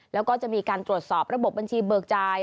แล้วก็จะมีการตรวจสอบระบบบัญชีเบิกจ่าย